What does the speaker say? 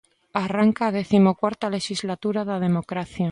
Arranca a décimo cuarta lexislatura da democracia.